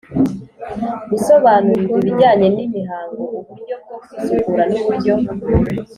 gusobanurirwa ibijyanye n imihango uburyo bwo kwisukura n uburyo